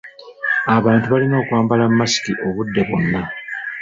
Abantu balina okwambala masiki obudde bwonna.